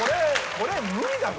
これ無理だぞ。